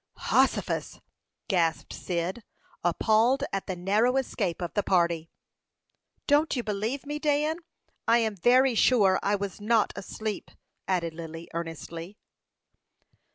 "Hossifus!" gasped Cyd, appalled at the narrow escape of the party. "Don't you believe me, Dan? I am very sure I was not asleep," added Lily, earnestly.